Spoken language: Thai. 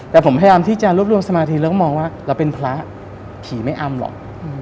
แต่ผมพยายามที่จะรวบรวมสมาธิแล้วก็มองว่าเราเป็นพระผีไม่อำหรอก